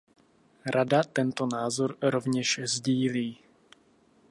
Rada tento názor rovněž sdílí.